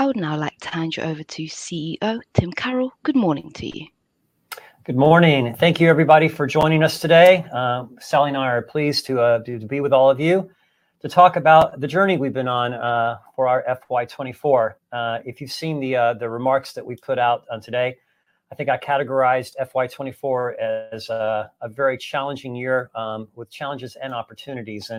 I would now like to hand you over to CEO Tim Carroll. Good morning to you. Good morning. Thank you, everybody, for joining us today. Sally and I are pleased to be with all of you to talk about the journey we've been on for our FY 2024. If you've seen the remarks that we put out today, I think I categorized FY 2024 as a very challenging year with challenges and opportunities.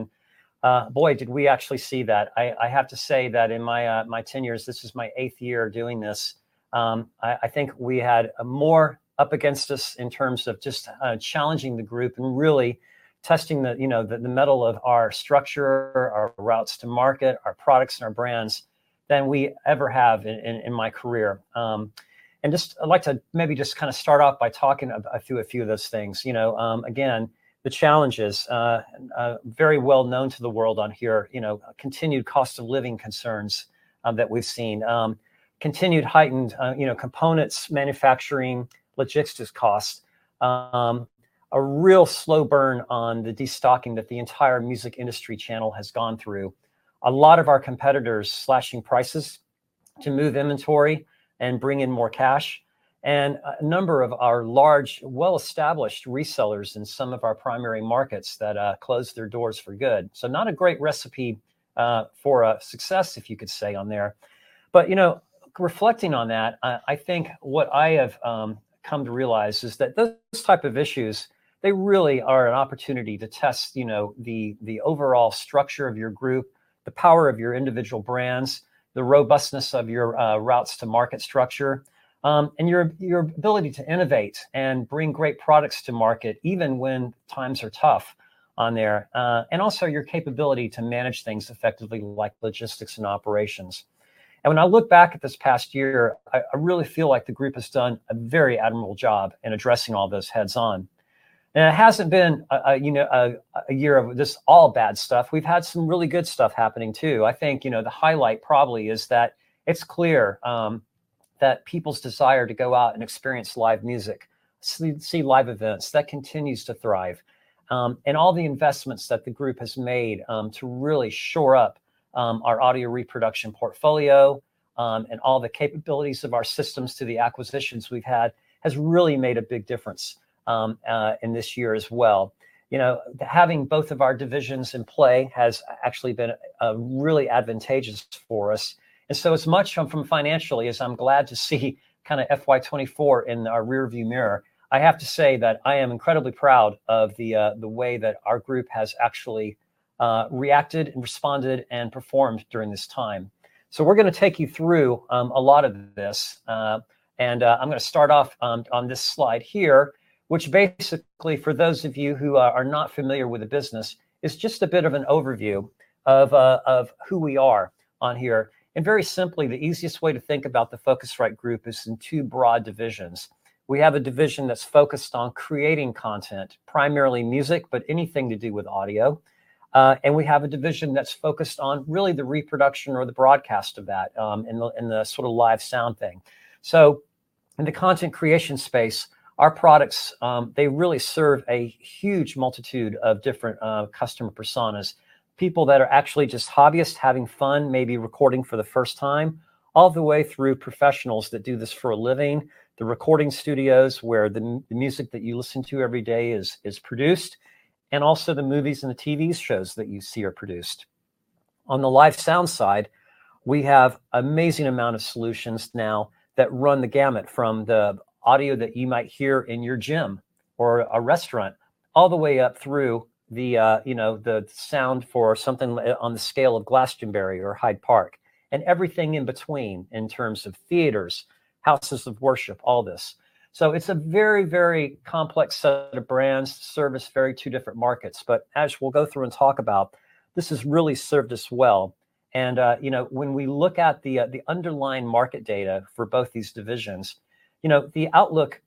And boy, did we actually see that. I have to say that in my tenures, this is my eighth year doing this. I think we had more up against us in terms of just challenging the group and really testing the mettle of our structure, our routes to market, our products, and our brands than we ever have in my career. And just I'd like to maybe just kind of start off by talking through a few of those things. Again, the challenges are very well known to the world on here, continued cost of living concerns that we've seen, continued heightened components, manufacturing, logistics costs, a real slow burn on the destocking that the entire music industry channel has gone through, a lot of our competitors slashing prices to move inventory and bring in more cash, and a number of our large, well-established resellers in some of our primary markets that closed their doors for good. So not a great recipe for success, if you could say, on there. But reflecting on that, I think what I have come to realize is that those types of issues, they really are an opportunity to test the overall structure of your group, the power of your individual brands, the robustness of your routes to market structure, and your ability to innovate and bring great products to market even when times are tough on there, and also your capability to manage things effectively like logistics and operations. And when I look back at this past year, I really feel like the group has done a very admirable job in addressing all this head-on. And it hasn't been a year of just all bad stuff. We've had some really good stuff happening, too. I think the highlight probably is that it's clear that people's desire to go out and experience live music, see live events, that continues to thrive. All the investments that the group has made to really shore up our Audio Reproduction portfolio and all the capabilities of our systems to the acquisitions we've had has really made a big difference in this year as well. Having both of our divisions in play has actually been really advantageous for us. As much from financially as I'm glad to see kind of FY 2024 in our rearview mirror, I have to say that I am incredibly proud of the way that our group has actually reacted and responded and performed during this time. We're going to take you through a lot of this. I'm going to start off on this slide here, which basically, for those of you who are not familiar with the business, is just a bit of an overview of who we are on here. Very simply, the easiest way to think about the Focusrite Group is in two broad divisions. We have a division that's focused on creating content, primarily music, but anything to do with audio. We have a division that's focused on really the reproduction or the broadcast of that and the sort of live sound thing. In the Content Creation space, our products, they really serve a huge multitude of different customer personas, people that are actually just hobbyists having fun, maybe recording for the first time, all the way through professionals that do this for a living, the recording studios where the music that you listen to every day is produced, and also the movies and the TV shows that you see are produced. On the live sound side, we have an amazing amount of solutions now that run the gamut from the audio that you might hear in your gym or a restaurant all the way up through the sound for something on the scale of Glastonbury or Hyde Park and everything in between in terms of theaters, houses of worship, all this, so it's a very, very complex set of brands that service two very different markets, but as we'll go through and talk about, this has really served us well, and when we look at the underlying market data for both these divisions, the outlook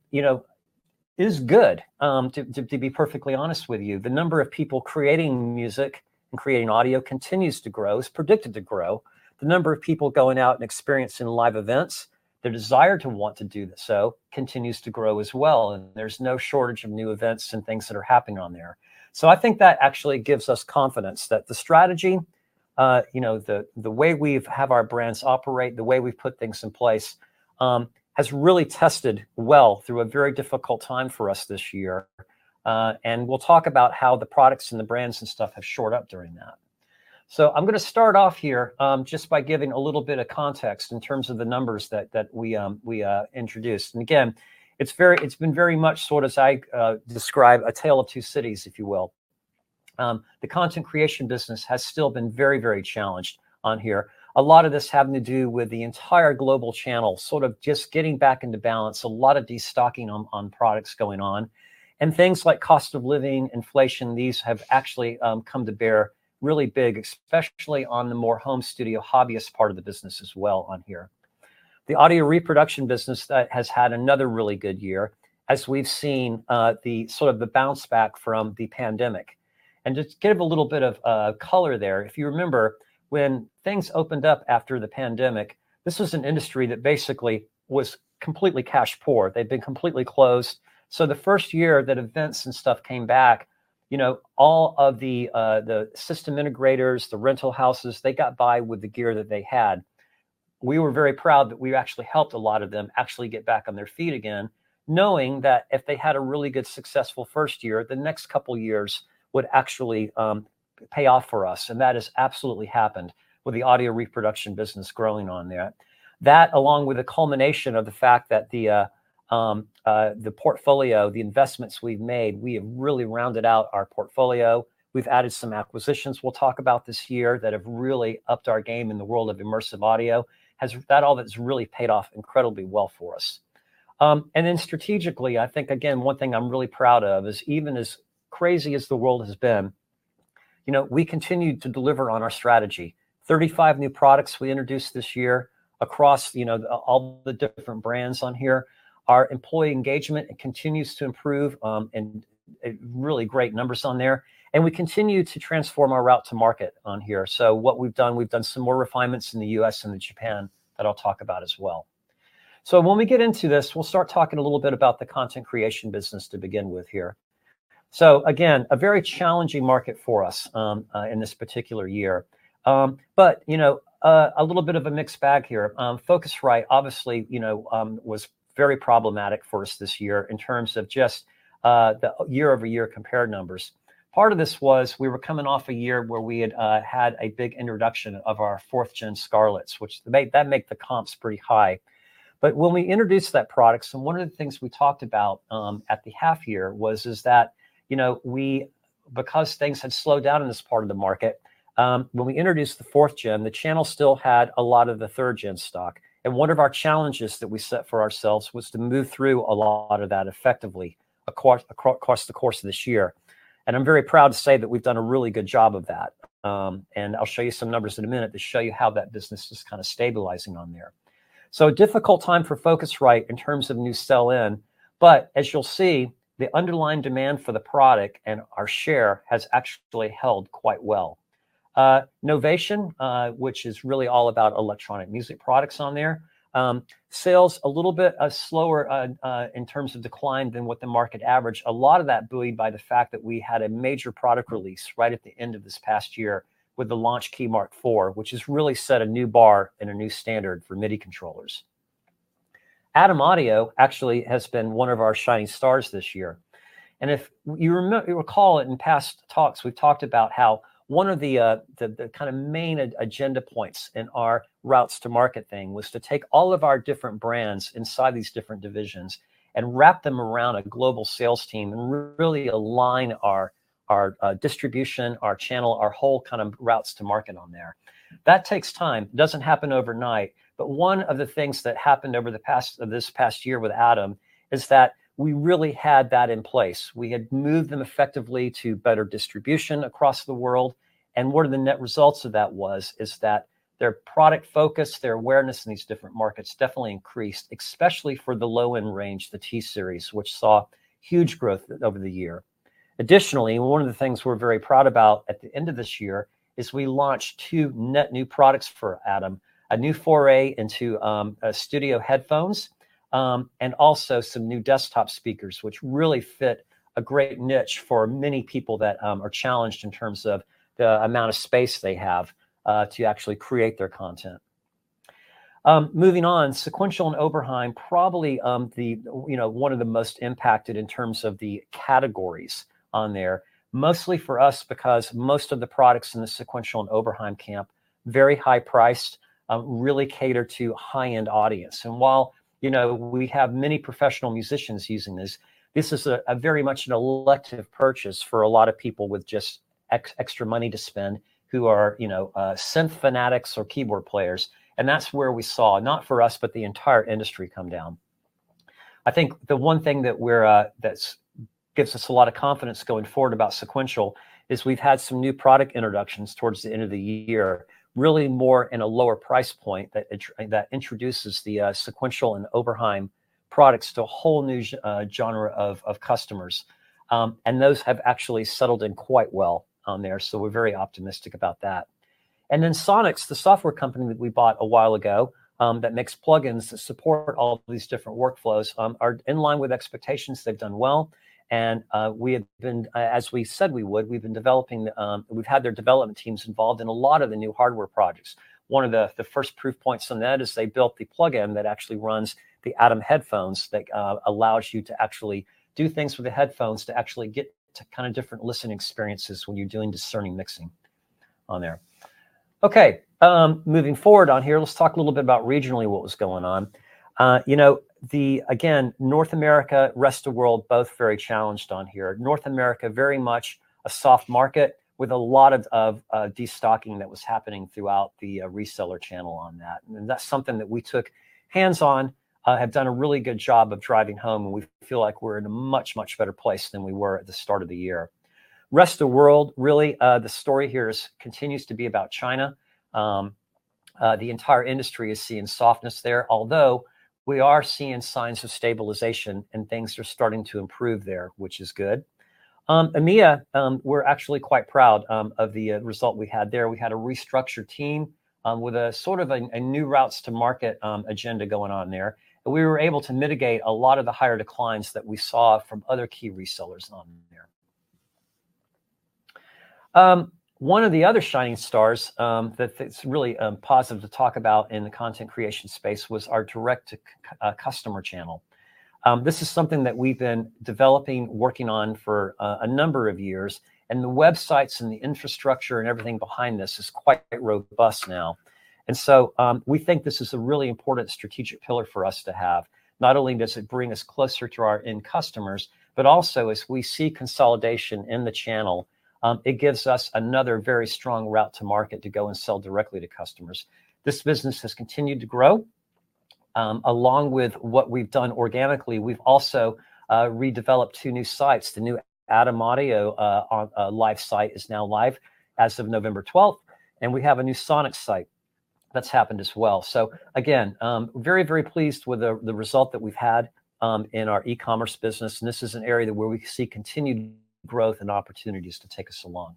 is good, to be perfectly honest with you. The number of people creating music and creating audio continues to grow, is predicted to grow. The number of people going out and experiencing live events, their desire to want to do so continues to grow as well. And there's no shortage of new events and things that are happening on there. So I think that actually gives us confidence that the strategy, the way we have our brands operate, the way we've put things in place has really tested well through a very difficult time for us this year. And we'll talk about how the products and the brands and stuff have shored up during that. So I'm going to start off here just by giving a little bit of context in terms of the numbers that we introduced. And again, it's been very much sort of, as I describe, a tale of two cities, if you will. The Content Creation business has still been very, very challenged on here. A lot of this having to do with the entire global channel sort of just getting back into balance, a lot of destocking on products going on. Things like cost of living, inflation, these have actually come to bear really big, especially on the more home studio hobbyist part of the business as well on here. The Audio Reproduction business has had another really good year as we've seen the sort of the bounce back from the pandemic. To give a little bit of color there, if you remember when things opened up after the pandemic, this was an industry that basically was completely cash poor. They'd been completely closed. So the first year that events and stuff came back, all of the system integrators, the rental houses, they got by with the gear that they had. We were very proud that we actually helped a lot of them actually get back on their feet again, knowing that if they had a really good successful first year, the next couple of years would actually pay off for us, and that has absolutely happened with the Audio Reproduction business growing on there. That, along with the culmination of the fact that the portfolio, the investments we've made, we have really rounded out our portfolio. We've added some acquisitions we'll talk about this year that have really upped our game in the world of immersive audio. That all has really paid off incredibly well for us, and then strategically, I think, again, one thing I'm really proud of is even as crazy as the world has been, we continue to deliver on our strategy. 35 new products we introduced this year across all the different brands on here. Our employee engagement continues to improve and really great numbers on there. And we continue to transform our route to market on here. So what we've done, we've done some more refinements in the U.S. and in Japan that I'll talk about as well. So when we get into this, we'll start talking a little bit about the Content Creation business to begin with here. So again, a very challenging market for us in this particular year. But a little bit of a mixed bag here. Focusrite, obviously, was very problematic for us this year in terms of just the year-over-year compared numbers. Part of this was, we were coming off a year where we had had a big introduction of our fourth-gen Scarletts, which that makes the comps pretty high. When we introduced that product, one of the things we talked about at the half year was that because things had slowed down in this part of the market, when we introduced the fourth-gen, the channel still had a lot of the third-gen stock. One of our challenges that we set for ourselves was to move through a lot of that effectively across the course of this year. I'm very proud to say that we've done a really good job of that. I'll show you some numbers in a minute to show you how that business is kind of stabilizing on there. A difficult time for Focusrite in terms of new sell-in, but as you'll see, the underlying demand for the product and our share has actually held quite well. Novation, which is really all about electronic music products on there, sales a little bit slower in terms of decline than what the market averaged. A lot of that buoyed by the fact that we had a major product release right at the end of this past year with the Launchkey MK4, which has really set a new bar and a new standard for MIDI controllers. ADAM Audio actually has been one of our shining stars this year. And if you recall it in past talks, we've talked about how one of the kind of main agenda points in our routes to market thing was to take all of our different brands inside these different divisions and wrap them around a global sales team and really align our distribution, our channel, our whole kind of routes to market on there. That takes time. It doesn't happen overnight. but one of the things that happened over this past year with ADAM is that we really had that in place. We had moved them effectively to better distribution across the world. And one of the net results of that was that their product focus, their awareness in these different markets definitely increased, especially for the low-end range, the T Series, which saw huge growth over the year. Additionally, one of the things we're very proud about at the end of this year is we launched two net new products for ADAM, a new foray into studio headphones and also some new desktop speakers, which really fit a great niche for many people that are challenged in terms of the amount of space they have to actually create their content. Moving on, Sequential and Oberheim, probably one of the most impacted in terms of the categories on there, mostly for us because most of the products in the Sequential and Oberheim camp, very high priced, really cater to high-end audience. While we have many professional musicians using this, this is very much an elective purchase for a lot of people with just extra money to spend who are synth fanatics or keyboard players. That's where we saw, not for us, but the entire industry come down. I think the one thing that gives us a lot of confidence going forward about Sequential is we've had some new product introductions towards the end of the year, really more in a lower price point that introduces the Sequential and Oberheim products to a whole new genre of customers. Those have actually settled in quite well on there. We're very optimistic about that. Then Sonnox, the software company that we bought a while ago that makes plugins that support all of these different workflows, are in line with expectations. They've done well. As we said we would, we've been developing and we've had their development teams involved in a lot of the new hardware projects. One of the first proof points on that is they built the plugin that actually runs the ADAM headphones that allows you to actually do things with the headphones to actually get to kind of different listening experiences when you're doing discerning mixing on there. Okay. Moving forward on here, let's talk a little bit about regionally what was going on. Again, North America, Rest of the World, both very challenged on here. North America, very much a soft market with a lot of destocking that was happening throughout the reseller channel on that, and that's something that we took hands-on, have done a really good job of driving home, and we feel like we're in a much, much better place than we were at the start of the year. Rest of the world, really, the story here continues to be about China. The entire industry is seeing softness there, although we are seeing signs of stabilization and things are starting to improve there, which is good. EMEA, we're actually quite proud of the result we had there. We had a restructured team with a sort of a new routes to market agenda going on there, and we were able to mitigate a lot of the higher declines that we saw from other key resellers on there. One of the other shining stars that's really positive to talk about in the Content Creation space was our direct-to-customer channel. This is something that we've been developing, working on for a number of years. And the websites and the infrastructure and everything behind this is quite robust now. And so we think this is a really important strategic pillar for us to have. Not only does it bring us closer to our end customers, but also as we see consolidation in the channel, it gives us another very strong route to market to go and sell directly to customers. This business has continued to grow. Along with what we've done organically, we've also redeveloped two new sites. The new ADAM Audio site is now live as of November 12th. And we have a new Sonnox site that's happened as well. So again, very, very pleased with the result that we've had in our e-commerce business. And this is an area where we see continued growth and opportunities to take us along.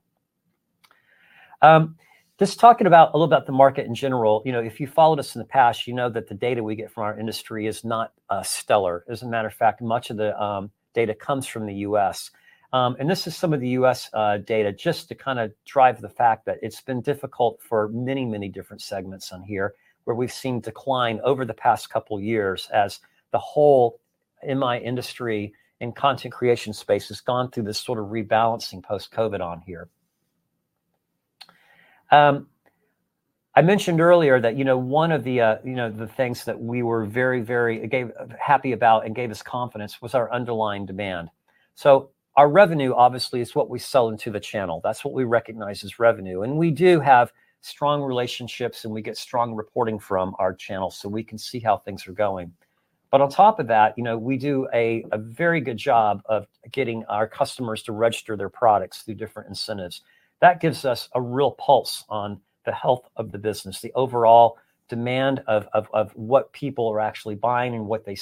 Just talking a little about the market in general, if you followed us in the past, you know that the data we get from our industry is not stellar. As a matter of fact, much of the data comes from the U.S. And this is some of the U.S. data just to kind of drive the fact that it's been difficult for many, many different segments on here where we've seen decline over the past couple of years as the whole MI industry and Content Creation space has gone through this sort of rebalancing post-COVID on here. I mentioned earlier that one of the things that we were very, very happy about and gave us confidence was our underlying demand, so our revenue, obviously, is what we sell into the channel. That's what we recognize as revenue, and we do have strong relationships and we get strong reporting from our channel so we can see how things are going, but on top of that, we do a very good job of getting our customers to register their products through different incentives. That gives us a real pulse on the health of the business, the overall demand of what people are actually buying and what we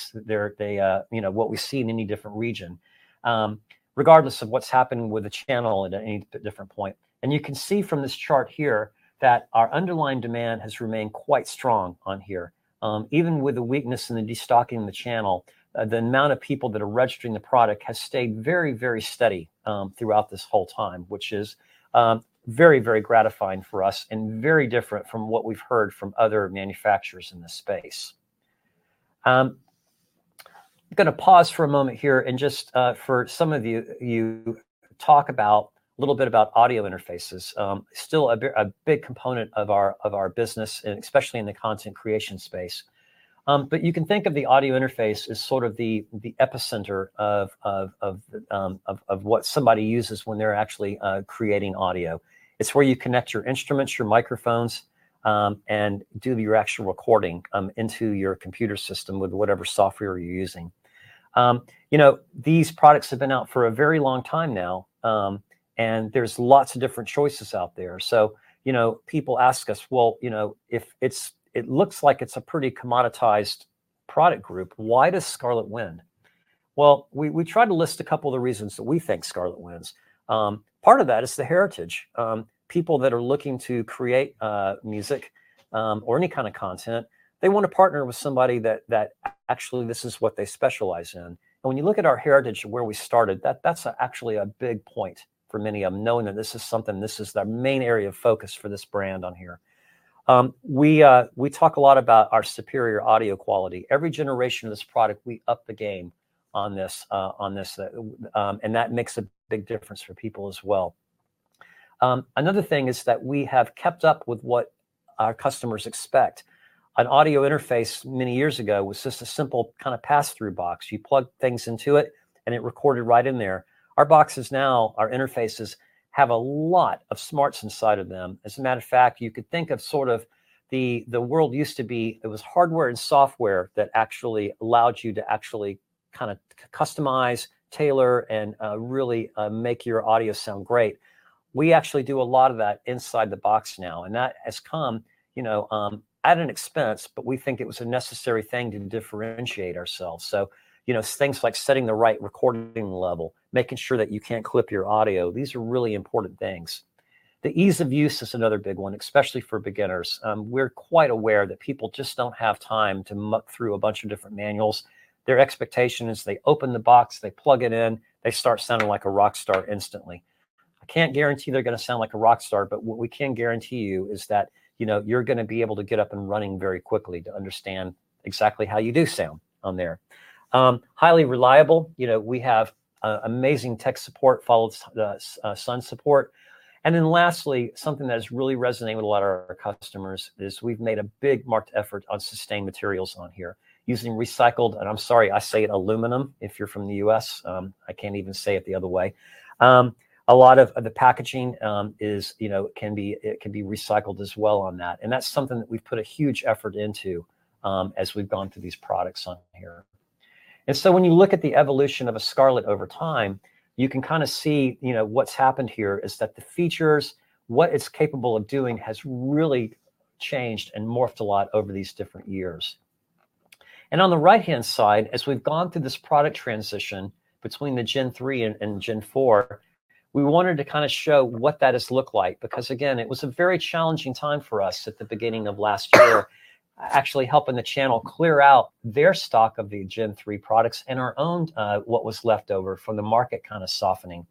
see in any different region, regardless of what's happening with the channel at any different point, and you can see from this chart here that our underlying demand has remained quite strong on here. Even with the weakness in the destocking in the channel, the amount of people that are registering the product has stayed very, very steady throughout this whole time, which is very, very gratifying for us and very different from what we've heard from other manufacturers in this space. I'm going to pause for a moment here and just for some of you talk a little bit about audio interfaces, still a big component of our business, especially in the Content Creation space. But you can think of the audio interface as sort of the epicenter of what somebody uses when they're actually creating audio. It's where you connect your instruments, your microphones, and do your actual recording into your computer system with whatever software you're using. These products have been out for a very long time now, and there's lots of different choices out there. So people ask us, "Well, if it looks like it's a pretty commoditized product group, why does Scarlett win?" Well, we tried to list a couple of the reasons that we think Scarlett wins. Part of that is the heritage. People that are looking to create music or any kind of content, they want to partner with somebody that actually this is what they specialize in. And when you look at our heritage, where we started, that's actually a big point for many of them, knowing that this is something, this is the main area of focus for this brand on here. We talk a lot about our superior audio quality. Every generation of this product, we up the game on this, and that makes a big difference for people as well. Another thing is that we have kept up with what our customers expect. An audio interface many years ago was just a simple kind of pass-through box. You plug things into it, and it recorded right in there. Our boxes now, our interfaces have a lot of smarts inside of them. As a matter of fact, you could think of sort of the world used to be it was hardware and software that actually allowed you to actually kind of customize, tailor, and really make your audio sound great. We actually do a lot of that inside the box now. And that has come at an expense, but we think it was a necessary thing to differentiate ourselves. So things like setting the right recording level, making sure that you can't clip your audio, these are really important things. The ease of use is another big one, especially for beginners. We're quite aware that people just don't have time to muck through a bunch of different manuals. Their expectation is they open the box, they plug it in, they start sounding like a rock star instantly. I can't guarantee they're going to sound like a rock star, but what we can guarantee you is that you're going to be able to get up and running very quickly to understand exactly how you do sound on there. Highly reliable. We have amazing tech support, followed by sound support. And then lastly, something that is really resonating with a lot of our customers is we've made a big marked effort on sustainable materials on here using recycled, and I'm sorry, I say aluminum if you're from the U.S.. I can't even say it the other way. A lot of the packaging can be recycled as well on that. And that's something that we've put a huge effort into as we've gone through these products on here. And so when you look at the evolution of a Scarlett over time, you can kind of see what's happened here is that the features, what it's capable of doing has really changed and morphed a lot over these different years. And on the right-hand side, as we've gone through this product transition between the Gen 3 and Gen 4, we wanted to kind of show what that has looked like because, again, it was a very challenging time for us at the beginning of last year actually helping the channel clear out their stock of the Gen 3 products and our own what was left over from the market kind of softening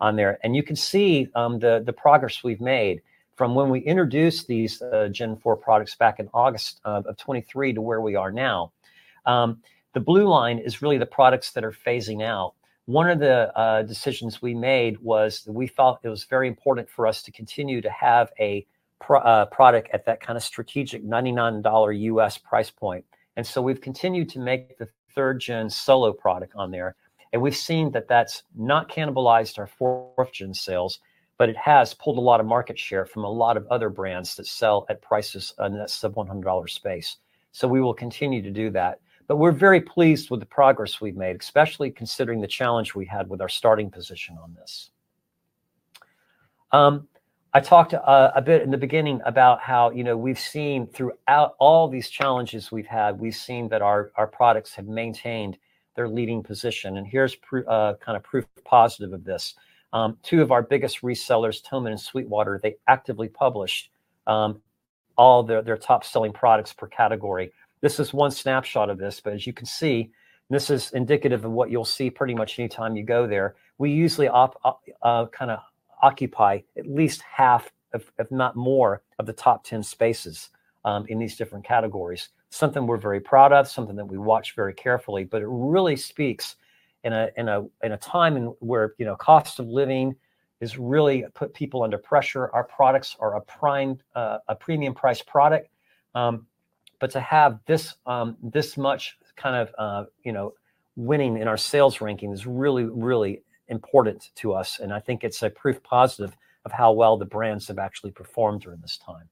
on there. And you can see the progress we've made from when we introduced these Gen 4 products back in August of 2023 to where we are now. The blue line is really the products that are phasing out. One of the decisions we made was that we thought it was very important for us to continue to have a product at that kind of strategic $99 U.S. price point. And so we've continued to make the third-gen Solo product on there. And we've seen that that's not cannibalized our fourth-gen sales, but it has pulled a lot of market share from a lot of other brands that sell at prices in that sub-$100 space. So we will continue to do that. But we're very pleased with the progress we've made, especially considering the challenge we had with our starting position on this. I talked a bit in the beginning about how we've seen throughout all these challenges we've had, we've seen that our products have maintained their leading position, and here's kind of proof positive of this. Two of our biggest resellers, Thomann and Sweetwater, they actively publish all their top-selling products per category. This is one snapshot of this, but as you can see, this is indicative of what you'll see pretty much anytime you go there. We usually kind of occupy at least half, if not more, of the top 10 spaces in these different categories. Something we're very proud of, something that we watch very carefully, but it really speaks in a time where cost of living has really put people under pressure. Our products are a premium-priced product, but to have this much kind of winning in our sales ranking is really, really important to us. I think it's a proof positive of how well the brands have actually performed during this time.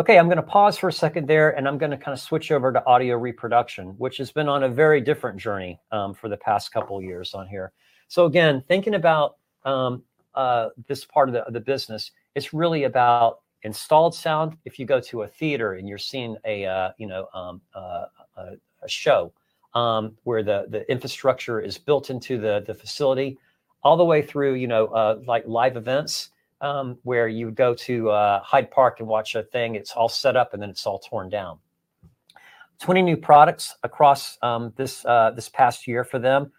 Okay, I'm going to pause for a second there, and I'm going to kind of switch over to Audio Reproduction, which has been on a very different journey for the past couple of years on here. So again, thinking about this part of the business, it's really about installed sound. If you go to a theater and you're seeing a show where the infrastructure is built into the facility, all the way through live events where you would go to Hyde Park and watch a thing, it's all set up, and then it's all torn down. 20 new products across this past year for them.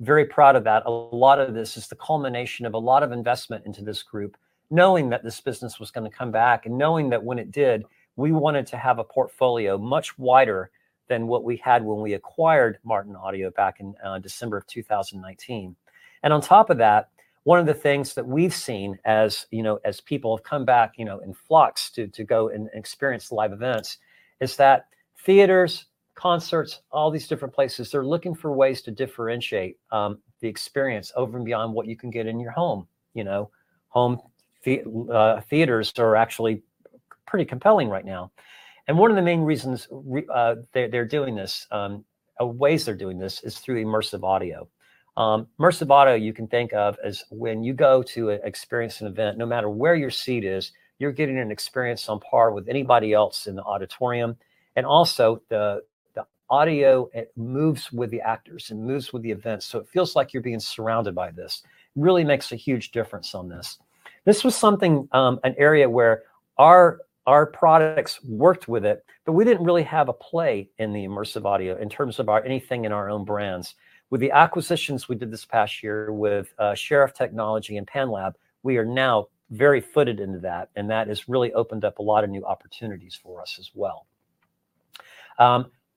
Very proud of that. A lot of this is the culmination of a lot of investment into this group, knowing that this business was going to come back and knowing that when it did, we wanted to have a portfolio much wider than what we had when we acquired Martin Audio back in December of 2019, and on top of that, one of the things that we've seen as people have come back in flux to go and experience live events is that theaters, concerts, all these different places, they're looking for ways to differentiate the experience over and beyond what you can get in your home. Home theaters are actually pretty compelling right now, and one of the main reasons they're doing this, ways they're doing this is through immersive audio. Immersive audio, you can think of as when you go to experience an event, no matter where your seat is, you're getting an experience on par with anybody else in the auditorium. And also, the audio moves with the actors and moves with the event. So it feels like you're being surrounded by this. It really makes a huge difference on this. This was an area where our products worked with it, but we didn't really have a play in the immersive audio in terms of anything in our own brands. With the acquisitions we did this past year with Shermann Audio and PanLab, we are now very well footed into that. And that has really opened up a lot of new opportunities for us as well.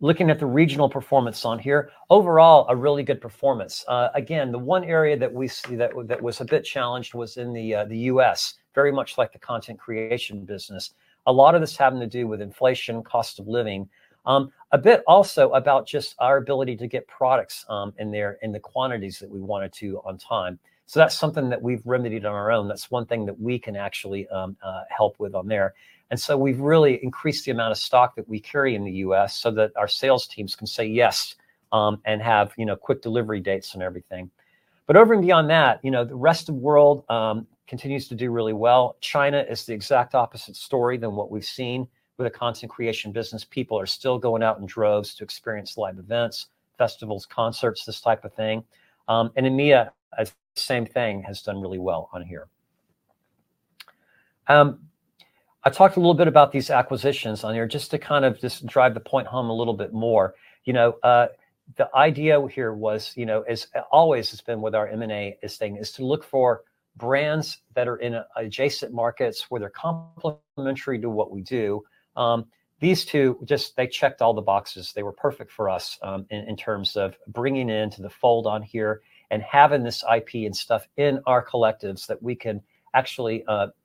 Looking at the regional performance on here, overall, a really good performance. Again, the one area that we see that was a bit challenged was in the U.S., very much like the Content Creation business. A lot of this having to do with inflation, cost of living. A bit also about just our ability to get products in there in the quantities that we wanted to on time. So that's something that we've remedied on our own. That's one thing that we can actually help with on there. And so we've really increased the amount of stock that we carry in the U.S. so that our sales teams can say yes and have quick delivery dates and everything. But over and beyond that, the rest of the world continues to do really well. China is the exact opposite story than what we've seen with the Content Creation business. People are still going out in droves to experience live events, festivals, concerts, this type of thing, and EMEA, same thing, has done really well on here. I talked a little bit about these acquisitions on here just to kind of just drive the point home a little bit more. The idea here was, as always has been with our M&A thing, is to look for brands that are in adjacent markets where they're complementary to what we do. These two, just they checked all the boxes. They were perfect for us in terms of bringing into the fold on here and having this IP and stuff in our collectives that we can actually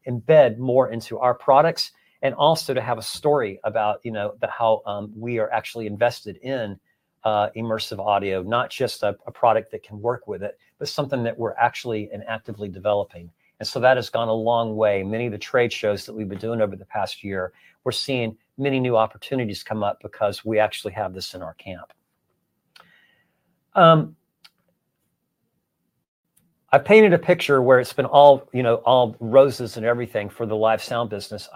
embed more into our products and also to have a story about how we are actually invested in immersive audio, not just a product that can work with it, but something that we're actually and actively developing, and so that has gone a long way. Many of the trade shows that we've been doing over the past year, we're seeing many new opportunities come up because we actually have this in our camp. I painted a picture where it's been all roses and everything for the live sound business.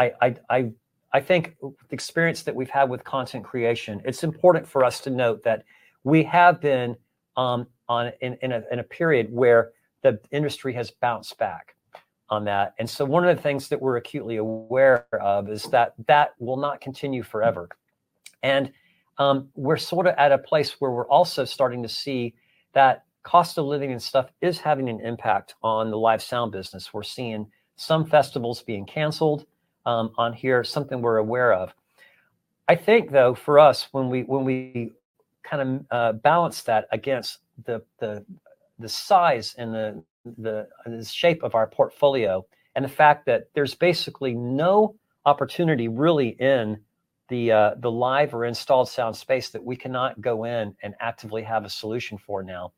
I think the experience that we've had with Content Creation. It's important for us to note that we have been in a period where the industry has bounced back on that. And so one of the things that we're acutely aware of is that that will not continue forever. And we're sort of at a place where we're also starting to see that cost of living and stuff is having an impact on the live sound business. We're seeing some festivals being canceled on here, something we're aware of. I think, though, for us, when we kind of balance that against the size and the shape of our portfolio and the fact that there's basically no opportunity really in the live or installed sound space that we cannot go in and actively have a solution for now,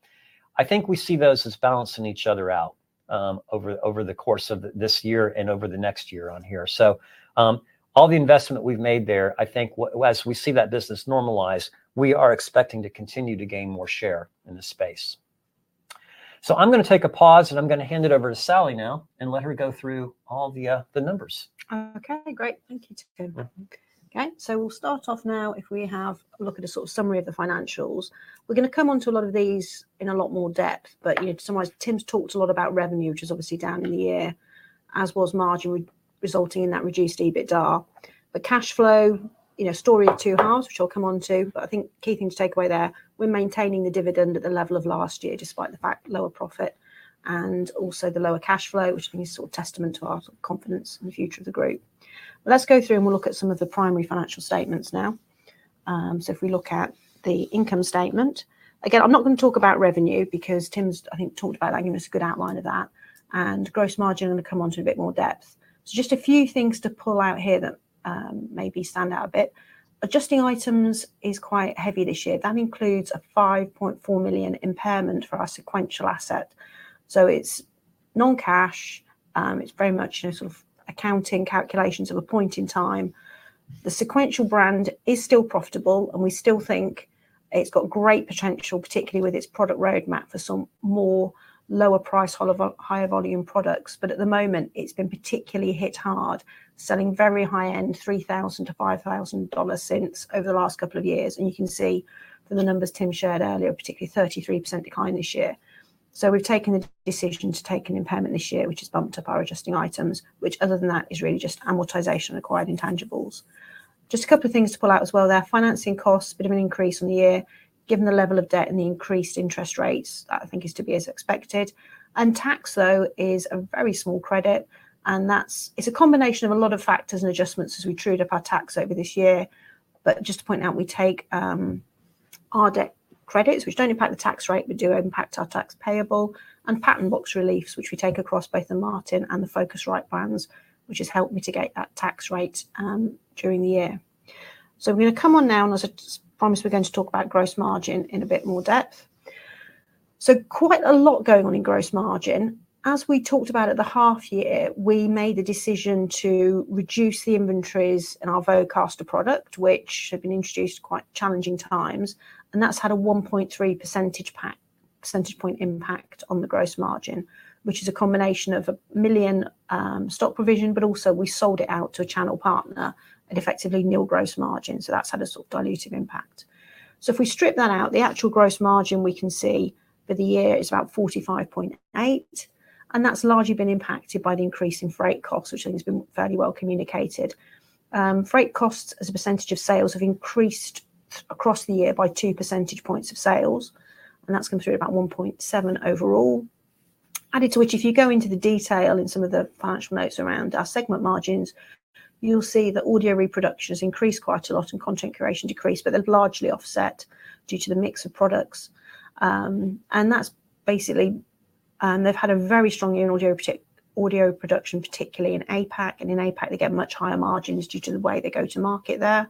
I think we see those as balancing each other out over the course of this year and over the next year on here. So all the investment we've made there, I think as we see that business normalize, we are expecting to continue to gain more share in the space. So I'm going to take a pause, and I'm going to hand it over to Sally now and let her go through all the numbers. Okay. Great. Thank you, Tim. Okay. So we'll start off now if we have a look at a sort of summary of the financials. We're going to come on to a lot of these in a lot more depth, but to summarize, Tim's talked a lot about revenue, which is obviously down in the year, as was margin resulting in that reduced EBITDA. But cash flow, story of two halves, which I'll come on to. But I think the key thing to take away there is, we're maintaining the dividend at the level of last year despite the fact of lower profit and also the lower cash flow, which I think is sort of a testament to our confidence in the future of the group. Let's go through and we'll look at some of the primary financial statements now. If we look at the income statement, again, I'm not going to talk about revenue because Tim has, I think, talked about that and given us a good outline of that. And gross margin, I'm going to come on to a bit more depth. So just a few things to pull out here that maybe stand out a bit. Adjusting items is quite heavy this year. That includes a 5.4 million impairment for our Sequential asset. So it's non-cash. It's very much sort of accounting calculations of a point in time. The Sequential brand is still profitable, and we still think it's got great potential, particularly with its product roadmap for some more lower-price, higher-volume products. But at the moment, it's been particularly hit hard, selling very high-end $3,000-$5,000 synths over the last couple of years. And you can see from the numbers Tim shared earlier, particularly 33% decline this year. So we've taken the decision to take an impairment this year, which has bumped up our adjusting items, which other than that is really just amortization acquired intangibles. Just a couple of things to pull out as well there. Financing costs, a bit of an increase on the year given the level of debt and the increased interest rates that I think is to be as expected. And tax, though, is a very small credit. It's a combination of a lot of factors and adjustments as we true up our tax over this year. But just to point out, we take our R&D credits, which don't impact the tax rate, but do impact our tax payable, and Patent Box reliefs, which we take across both the Martin Audio and the Focusrite brands, which has helped mitigate that tax rate during the year. So we're going to come on now, and as I promised, we're going to talk about gross margin in a bit more depth. So quite a lot going on in gross margin. As we talked about at the half year, we made the decision to reduce the inventories in our Vocaster product, which had been introduced at quite challenging times. That's had a 1.3 percentage point impact on the gross margin, which is a combination of a million stock provision, but also we sold it out to a channel partner and effectively nil gross margin. That's had a sort of dilutive impact. If we strip that out, the actual gross margin we can see for the year is about 45.8. That's largely been impacted by the increase in freight costs, which I think has been fairly well communicated. Freight costs as a percentage of sales have increased across the year by two percentage points of sales. That's come through at about 1.7 overall. Added to which, if you go into the detail in some of the financial notes around our segment margins, you'll see that Audio Reproduction has increased quite a lot and Content Creation decreased, but they're largely offset due to the mix of products. And that's basically they've had a very strong audio production, particularly in APAC. And in APAC, they get much higher margins due to the way they go to market there.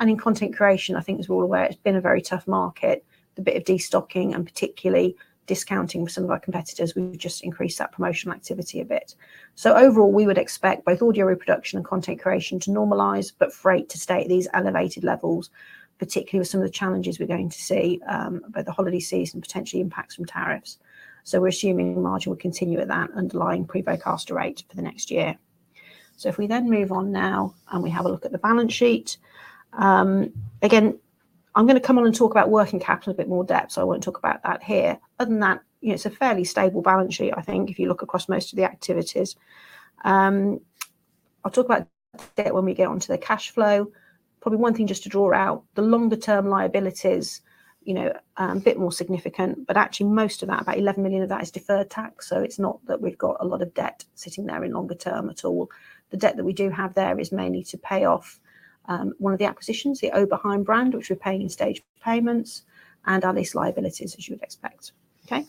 And in Content Creation, I think as we're all aware, it's been a very tough market. The bit of destocking and particularly discounting for some of our competitors, we've just increased that promotional activity a bit. So overall, we would expect both Audio Reproduction and Content Creation to normalize, but freight to stay at these elevated levels, particularly with some of the challenges we're going to see by the holiday season, potentially impacts from tariffs. So we're assuming margin will continue at that underlying pre-Vocaster rate for the next year. So if we then move on now and we have a look at the balance sheet, again, I'm going to come on and talk about working capital a bit more depth. So I won't talk about that here. Other than that, it's a fairly stable balance sheet, I think, if you look across most of the activities. I'll talk about debt when we get on to the cash flow. Probably one thing just to draw out, the longer-term liabilities are a bit more significant, but actually most of that, about 11 million of that is deferred tax. So it's not that we've got a lot of debt sitting there in longer term at all. The debt that we do have there is mainly to pay off one of the acquisitions, the Oberheim brand, which we're paying in staged payments, and our lease liabilities, as you would expect. Okay.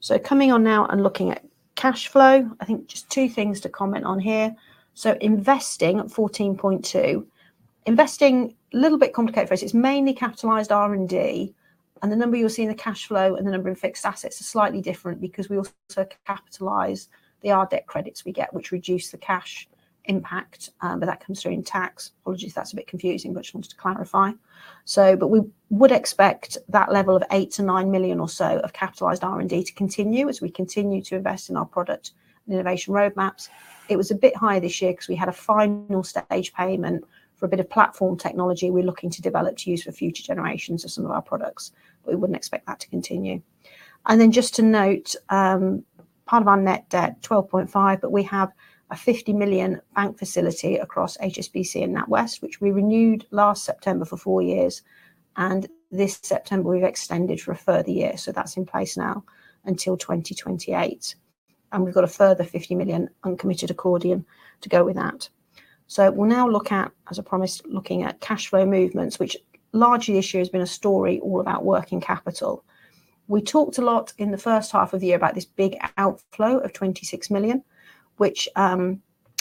So coming on now and looking at cash flow, I think just two things to comment on here. So investing at 14.2 million, investing a little bit complicated for us. It's mainly capitalized R&D. And the number you'll see in the cash flow and the number in fixed assets are slightly different because we also capitalize the R&D tax credits we get, which reduce the cash impact. But that comes through in tax. Apologies, that's a bit confusing, but I just wanted to clarify. But we would expect that level of 8-9 million or so of capitalized R&D to continue as we continue to invest in our product and innovation roadmaps. It was a bit higher this year because we had a final stage payment for a bit of platform technology we're looking to develop to use for future generations of some of our products. But we wouldn't expect that to continue. And then just to note, part of our net debt is 12.5 million, but we have a 50 million bank facility across HSBC and NatWest, which we renewed last September for four years. And this September, we've extended for a further year. So that's in place now until 2028. And we've got a further 50 million uncommitted accordion to go with that. So we'll now look at, as I promised, looking at cash flow movements, which largely this year has been a story all about working capital. We talked a lot in the first half of the year about this big outflow of 26 million, which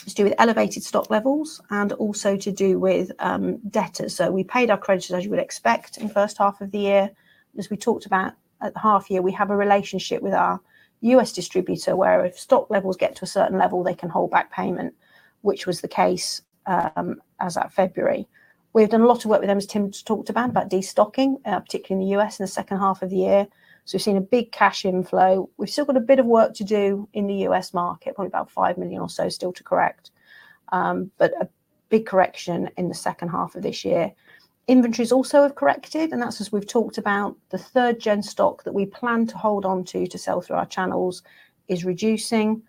is to do with elevated stock levels and also to do with debtors. So we paid our creditors, as you would expect, in the first half of the year. As we talked about at the half year, we have a relationship with our U.S. distributor where if stock levels get to a certain level, they can hold back payment, which was the case as of February. We've done a lot of work with them, as Tim's talked about, about destocking, particularly in the U.S. in the second half of the year. So we've seen a big cash inflow. We've still got a bit of work to do in the U.S. market, probably about five million or so still to correct, but a big correction in the second half of this year. Inventories also have corrected, and that's as we've talked about. The third-gen stock that we plan to hold on to to sell through our channels is reducing.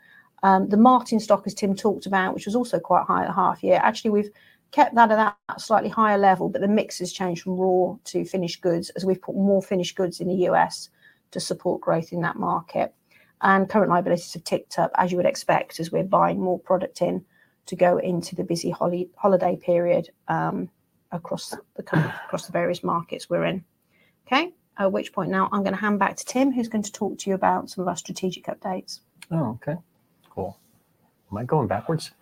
The Martin stock, as Tim talked about, which was also quite high at half year, actually we've kept that at a slightly higher level, but the mix has changed from raw to finished goods as we've put more finished goods in the U.S. to support growth in that market. And current liabilities have ticked up, as you would expect, as we're buying more product in to go into the busy holiday period across the various markets we're in. Okay. At which point now, I'm going to hand back to Tim, who's going to talk to you about some of our strategic updates. Oh, okay. Cool. Am I going backwards?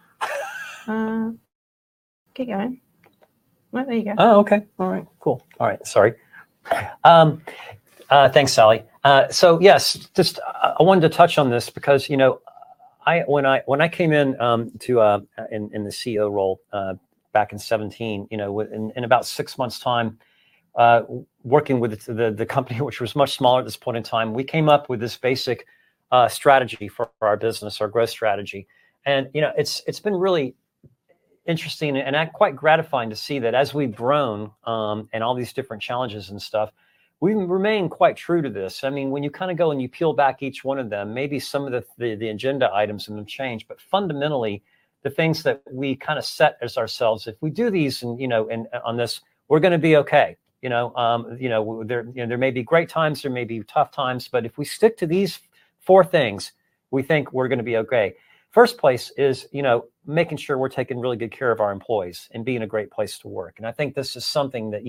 Keep going. No, there you go. Oh, okay. All right. Cool. All right. Sorry. Thanks, Sally. So yes, just I wanted to touch on this because when I came in in the CEO role back in 2017, in about six months' time working with the company, which was much smaller at this point in time, we came up with this basic strategy for our business, our growth strategy, and it's been really interesting and quite gratifying to see that as we've grown and all these different challenges and stuff, we've remained quite true to this. I mean, when you kind of go and you peel back each one of them, maybe some of the agenda items have changed, but fundamentally, the things that we kind of set as ourselves, if we do these on this, we're going to be okay. There may be great times, there may be tough times, but if we stick to these four things, we think we're going to be okay. First place is making sure we're taking really good care of our employees and being a great place to work. And I think this is something that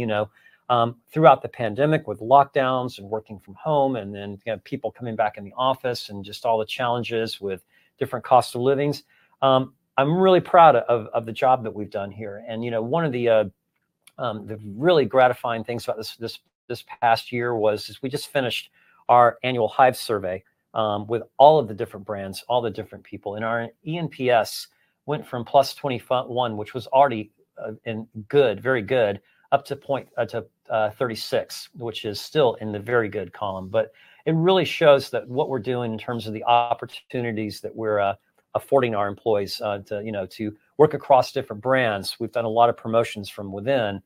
throughout the pandemic with lockdowns and working from home and then people coming back in the office and just all the challenges with different costs of living, I'm really proud of the job that we've done here. And one of the really gratifying things about this past year was we just finished our annual Hive survey with all of the different brands, all the different people. And our eNPS went from +21, which was already good, very good, up to 36, which is still in the very good column. But it really shows that what we're doing in terms of the opportunities that we're affording our employees to work across different brands. We've done a lot of promotions from within.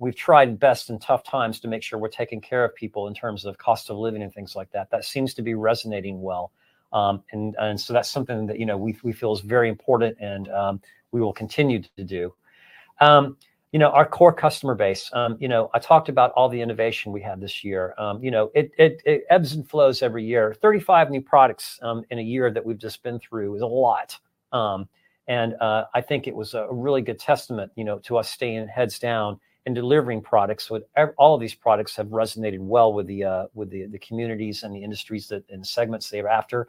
We've tried best in tough times to make sure we're taking care of people in terms of cost of living and things like that. That seems to be resonating well. And so that's something that we feel is very important and we will continue to do. Our core customer base, I talked about all the innovation we had this year. It ebbs and flows every year. 35 new products in a year that we've just been through is a lot. And I think it was a really good testament to us staying heads down and delivering products. All of these products have resonated well with the communities and the industries and segments they're after.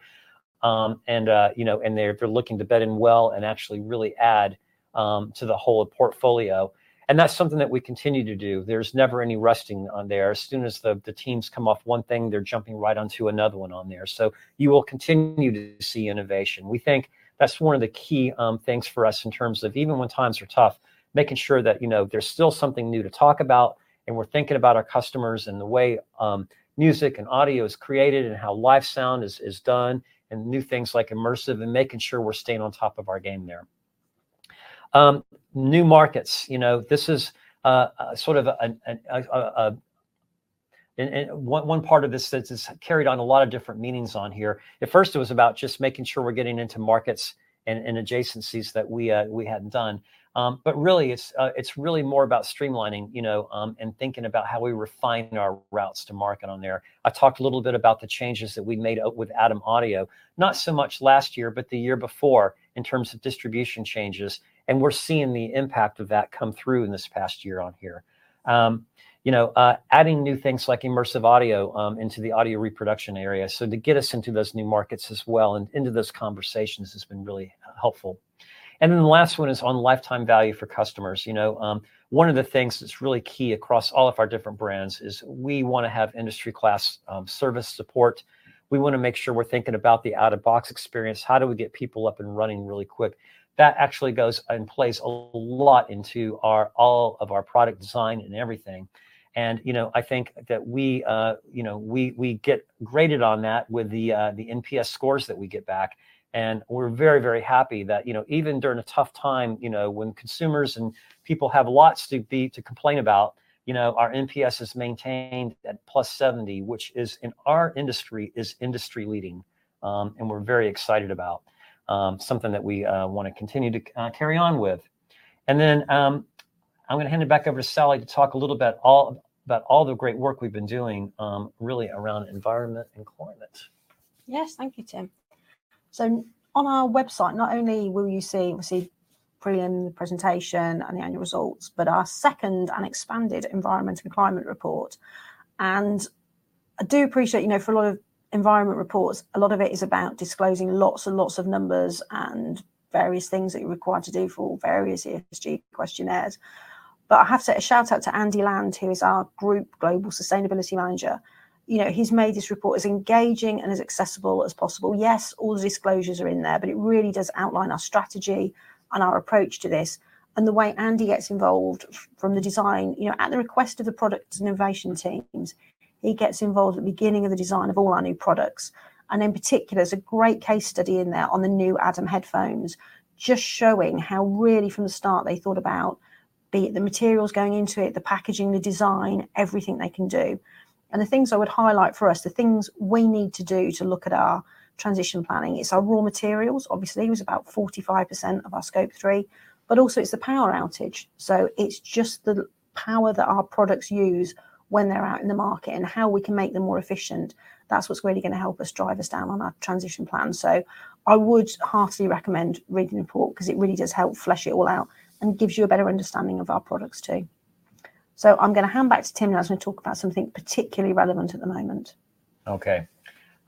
They're looking to bed in well and actually really add to the whole portfolio. That's something that we continue to do. There's never any resting on there. As soon as the teams come off one thing, they're jumping right onto another one on there. You will continue to see innovation. We think that's one of the key things for us in terms of even when times are tough, making sure that there's still something new to talk about. We're thinking about our customers and the way music and audio is created and how live sound is done and new things like immersive and making sure we're staying on top of our game there. New markets. This is sort of one part of this that has carried on a lot of different meanings on here. At first, it was about just making sure we're getting into markets and adjacencies that we hadn't done. But really, it's really more about streamlining and thinking about how we refine our routes to market on there. I talked a little bit about the changes that we made with ADAM Audio, not so much last year, but the year before in terms of distribution changes. And we're seeing the impact of that come through in this past year on here. Adding new things like immersive audio into the Audio Reproduction area. So to get us into those new markets as well and into those conversations has been really helpful. And then the last one is on lifetime value for customers. One of the things that's really key across all of our different brands is we want to have industry-class service support. We want to make sure we're thinking about the out-of-box experience. How do we get people up and running really quick? That actually goes in place a lot into all of our product design and everything. And I think that we get graded on that with the NPS scores that we get back. And we're very, very happy that even during a tough time, when consumers and people have lots to complain about, our NPS is maintained at +70, which in our industry is industry-leading. And we're very excited about something that we want to continue to carry on with. And then I'm going to hand it back over to Sally to talk a little bit about all the great work we've been doing really around environment and climate. Yes, thank you, Tim. So on our website, not only will you see Prelim presentation and the annual results, but our second and expanded environment and climate report. And I do appreciate for a lot of environment reports, a lot of it is about disclosing lots and lots of numbers and various things that you're required to do for all various ESG questionnaires. But I have to say a shout-out to Andy Land, who is our group global sustainability manager. He's made this report as engaging and as accessible as possible. Yes, all the disclosures are in there, but it really does outline our strategy and our approach to this. And the way Andy gets involved from the design, at the request of the product and innovation teams, he gets involved at the beginning of the design of all our new products. In particular, there's a great case study in there on the new ADAM headphones, just showing how really from the start they thought about the materials going into it, the packaging, the design, everything they can do. The things I would highlight for us, the things we need to do to look at our transition planning, it's our raw materials, obviously, it was about 45% of our Scope 3, but also it's the power usage. So it's just the power that our products use when they're out in the market and how we can make them more efficient. That's what's really going to help us drive us down on our transition plan. I would heartily recommend reading the report because it really does help flesh it all out and gives you a better understanding of our products too. I'm going to hand back to Tim now. I was going to talk about something particularly relevant at the moment. Okay. Many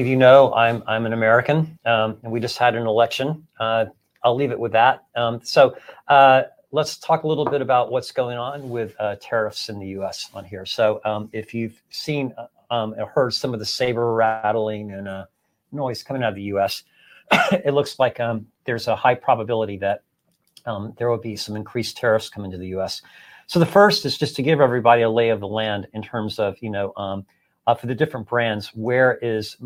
of you know I'm an American, and we just had an election. I'll leave it with that. So let's talk a little bit about what's going on with tariffs in the U.S. on here. So if you've seen or heard some of the saber rattling and noise coming out of the U.S., it looks like there's a high probability that there will be some increased tariffs coming to the U.S. So the first is just to give everybody a lay of the land in terms of for the different brands, where is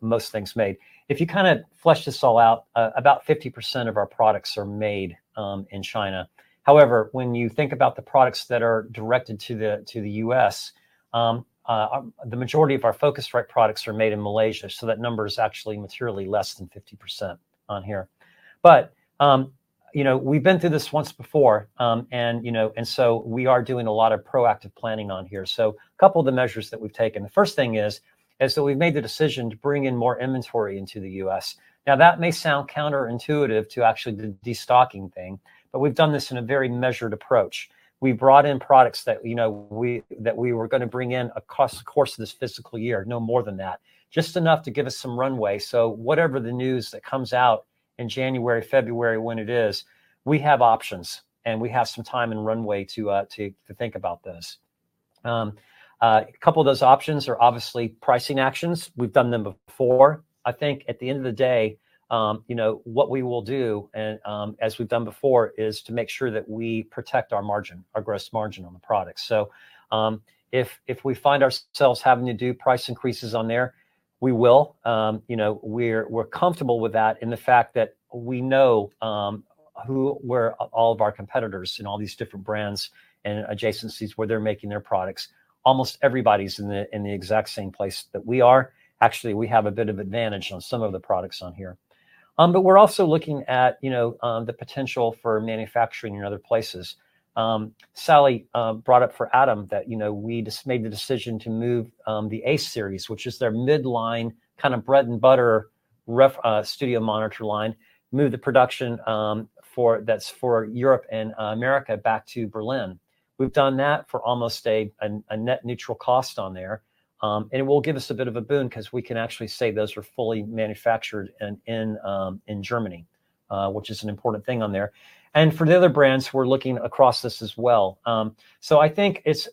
most things made. If you kind of flesh this all out, about 50% of our products are made in China. However, when you think about the products that are directed to the U.S., the majority of our Focusrite products are made in Malaysia. So that number is actually materially less than 50% on here. But we've been through this once before. And so we are doing a lot of proactive planning on here. So a couple of the measures that we've taken, the first thing is that we've made the decision to bring in more inventory into the U.S. Now, that may sound counterintuitive to actually the destocking thing, but we've done this in a very measured approach. We brought in products that we were going to bring in a course of this fiscal year, no more than that, just enough to give us some runway. So whatever the news that comes out in January, February when it is, we have options and we have some time and runway to think about this. A couple of those options are obviously pricing actions. We've done them before. I think at the end of the day, what we will do, as we've done before, is to make sure that we protect our margin, our gross margin on the products. So if we find ourselves having to do price increases on there, we will. We're comfortable with that in the fact that we know who all of our competitors and all these different brands and adjacencies where they're making their products. Almost everybody's in the exact same place that we are. Actually, we have a bit of advantage on some of the products on here. But we're also looking at the potential for manufacturing in other places. Sally brought up for ADAM that we just made the decision to move the A Series, which is their midline kind of bread and butter studio monitor line, move the production that's for Europe and America back to Berlin. We've done that for almost a net neutral cost on there. And it will give us a bit of a boon because we can actually say those are fully manufactured in Germany, which is an important thing on there. And for the other brands, we're looking across this as well. So I think it's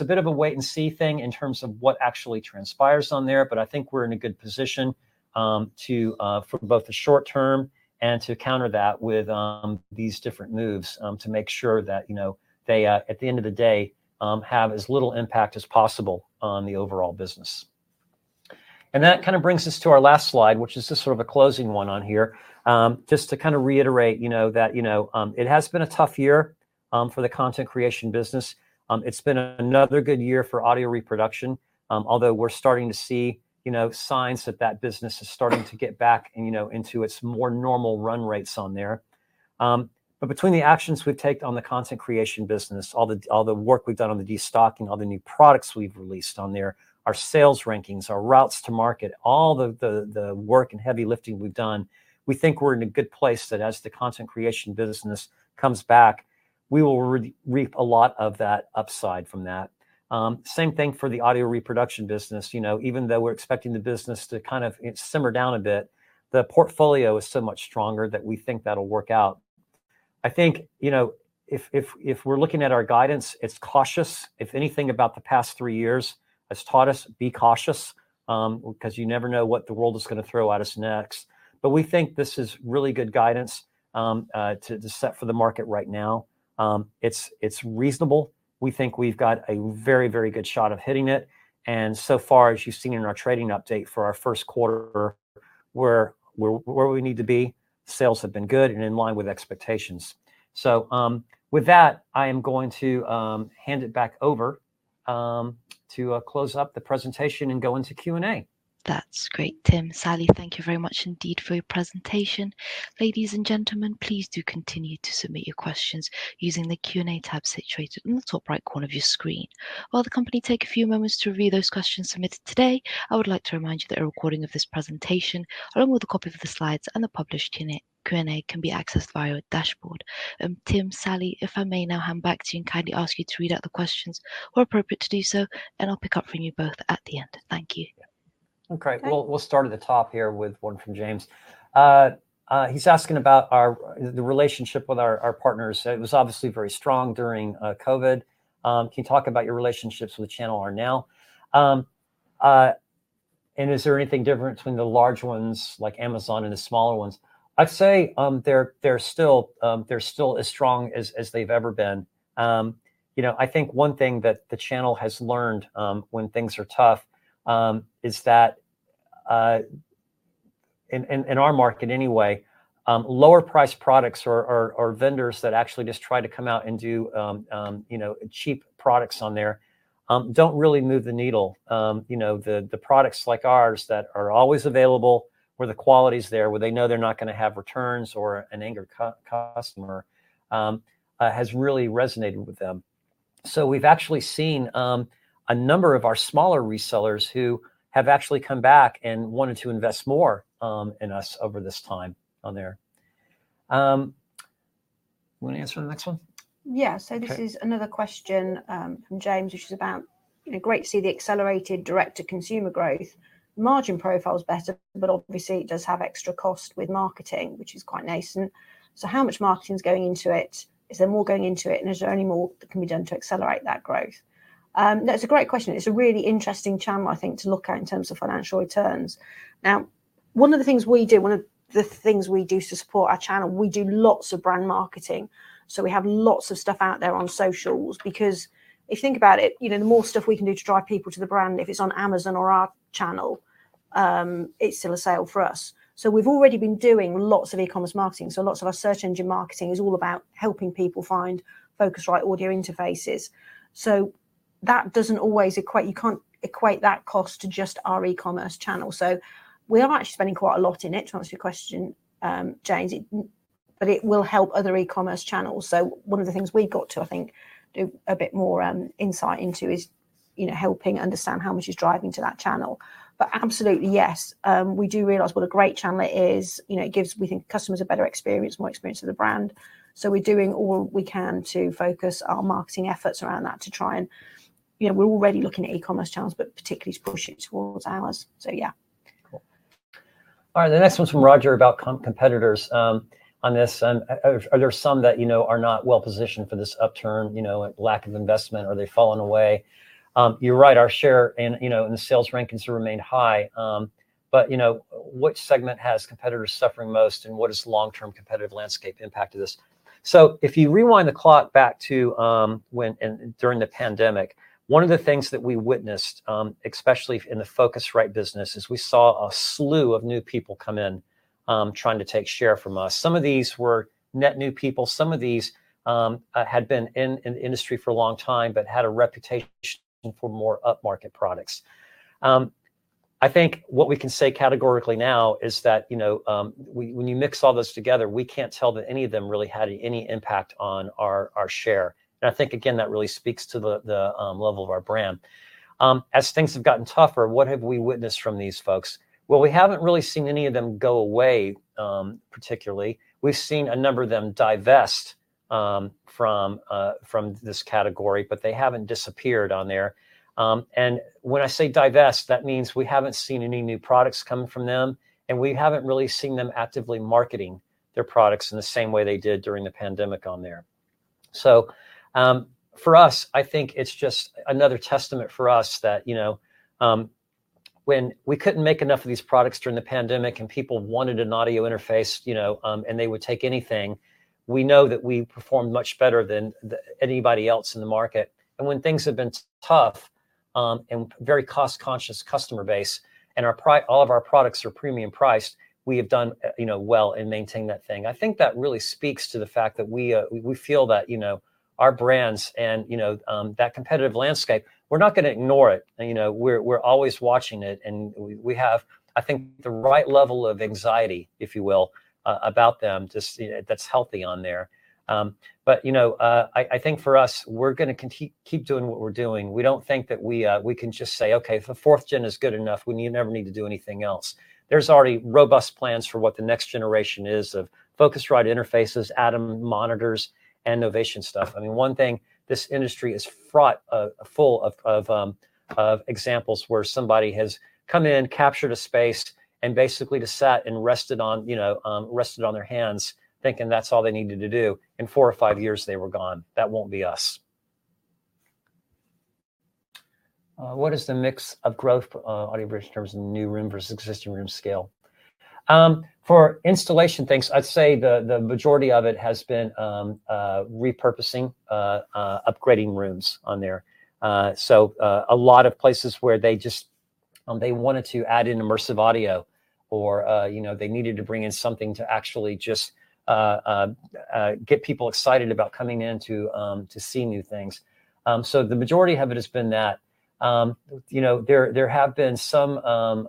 a bit of a wait and see thing in terms of what actually transpires on there, but I think we're in a good position for both the short term and to counter that with these different moves to make sure that they, at the end of the day, have as little impact as possible on the overall business. And that kind of brings us to our last slide, which is just sort of a closing one on here. Just to kind of reiterate that it has been a tough year for the Content Creation business. It's been another good year for Audio Reproduction, although we're starting to see signs that that business is starting to get back into its more normal run rates on there. But between the actions we've taken on the Content Creation business, all the work we've done on the destocking, all the new products we've released on there, our sales rankings, our routes to market, all the work and heavy lifting we've done, we think we're in a good place that as the Content Creation business comes back, we will reap a lot of that upside from that. Same thing for the Audio Reproduction business. Even though we're expecting the business to kind of simmer down a bit, the portfolio is so much stronger that we think that'll work out. I think if we're looking at our guidance, it's cautious. If anything about the past three years has taught us, be cautious because you never know what the world is going to throw at us next. But we think this is really good guidance to set for the market right now. It's reasonable. We think we've got a very, very good shot of hitting it. And so far, as you've seen in our trading update for our first quarter, where we need to be, sales have been good and in line with expectations. So with that, I am going to hand it back over to close up the presentation and go into Q&A. That's great, Tim. Sally, thank you very much indeed for your presentation. Ladies and gentlemen, please do continue to submit your questions using the Q&A tab situated in the top right corner of your screen. While the company takes a few moments to review those questions submitted today, I would like to remind you that a recording of this presentation, along with a copy of the slides and the published Q&A, can be accessed via a dashboard. Tim, Sally, if I may now hand back to you and kindly ask you to read out the questions where appropriate to do so, and I'll pick up from you both at the end. Thank you. Okay. We'll start at the top here with one from James. He's asking about the relationship with our partners. It was obviously very strong during COVID. Can you talk about your relationships with the channel now? And is there anything different between the large ones like Amazon and the smaller ones? I'd say they're still as strong as they've ever been. I think one thing that the channel has learned when things are tough is that in our market anyway, lower-priced products or vendors that actually just try to come out and do cheap products on there don't really move the needle. The products like ours that are always available, where the quality's there, where they know they're not going to have returns or an angered customer, has really resonated with them. So, we've actually seen a number of our smaller resellers who have actually come back and wanted to invest more in us over this time on there. You want to answer the next one? Yeah. So this is another question from James, which is about, "Great to see the accelerated direct-to-consumer growth. Margin profile is better, but obviously, it does have extra cost with marketing, which is quite nascent. So how much marketing is going into it? Is there more going into it? And is there any more that can be done to accelerate that growth?" That's a great question. It's a really interesting channel, I think, to look at in terms of financial returns. Now, one of the things we do to support our channel, we do lots of brand marketing. So we have lots of stuff out there on socials because if you think about it, the more stuff we can do to drive people to the brand, if it's on Amazon or our channel, it's still a sale for us. We've already been doing lots of e-commerce marketing. Lots of our search engine marketing is all about helping people find Focusrite audio interfaces. That doesn't always equate. You can't equate that cost to just our e-commerce channel. We are actually spending quite a lot in it, to answer your question, James, but it will help other e-commerce channels. One of the things we've got to, I think, do a bit more insight into is helping understand how much is driving to that channel. But absolutely, yes. We do realize what a great channel it is. It gives, we think, customers a better experience, more experience of the brand. We're doing all we can to focus our marketing efforts around that to try and we're already looking at e-commerce channels, but particularly to push it towards ours. Yeah. Cool. All right. The next one's from Roger about competitors on this. Are there some that are not well-positioned for this upturn, lack of investment, or they've fallen away? You're right. Our share in the sales rankings remained high. But what segment has competitors suffering most, and what has long-term competitive landscape impacted this? So if you rewind the clock back to during the pandemic, one of the things that we witnessed, especially in the Focusrite business, is we saw a slew of new people come in trying to take share from us. Some of these were net new people. Some of these had been in the industry for a long time, but had a reputation for more up-market products. I think what we can say categorically now is that when you mix all those together, we can't tell that any of them really had any impact on our share. And I think, again, that really speaks to the level of our brand. As things have gotten tougher, what have we witnessed from these folks? Well, we haven't really seen any of them go away, particularly. We've seen a number of them divest from this category, but they haven't disappeared on there. And when I say divest, that means we haven't seen any new products come from them, and we haven't really seen them actively marketing their products in the same way they did during the pandemic on there. So for us, I think it's just another testament for us that when we couldn't make enough of these products during the pandemic and people wanted an audio interface and they would take anything, we know that we performed much better than anybody else in the market. When things have been tough and very cost-conscious customer base and all of our products are premium priced, we have done well in maintaining that thing. I think that really speaks to the fact that we feel that our brands and that competitive landscape, we're not going to ignore it. We're always watching it. And we have, I think, the right level of anxiety, if you will, about them that's healthy on there. But I think for us, we're going to keep doing what we're doing. We don't think that we can just say, "Okay, if the fourth gen is good enough, we never need to do anything else." There's already robust plans for what the next generation is of Focusrite interfaces, ADAM monitors, and Novation stuff. I mean, one thing, this industry is full of examples where somebody has come in, captured a space, and basically just sat and rested on their hands thinking that's all they needed to do. In four or five years, they were gone. That won't be us. What is the mix of growth, Audio Reproduction terms, new room versus existing room scale? For installation things, I'd say the majority of it has been repurposing, upgrading rooms on there. So a lot of places where they wanted to add in immersive audio or they needed to bring in something to actually just get people excited about coming in to see new things. So the majority of it has been that. There have been some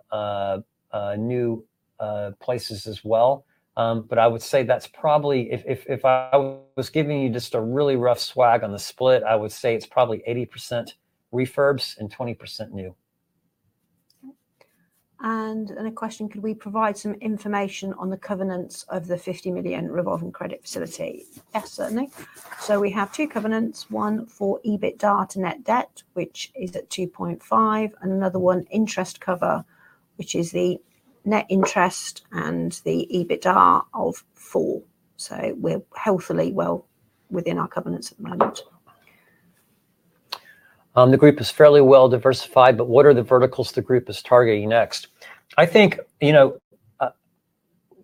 new places as well. But I would say that's probably, if I was giving you just a really rough swag on the split, I would say it's probably 80% refurbs and 20% new. And a question: Could we provide some information on the covenants of the 50 million revolving credit facility? Yes, certainly. So we have two covenants, one for EBITDA to net debt, which is at 2.5, and another one, interest cover, which is the net interest and the EBITDA of 4. So we're healthily well within our covenants at the moment. The group is fairly well diversified, but what are the verticals the group is targeting next? I think